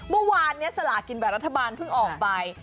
เมื่อวานนี้สลากินแบบรัฐบาลเพิ่งออกไป